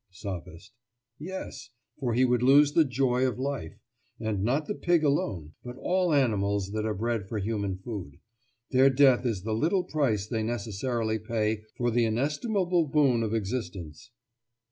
SOPHIST: Yes, for he would lose the joy of life. And not the pig alone, but all animals that are bred for human food. Their death is the little price they necessarily pay for the inestimable boon of existence.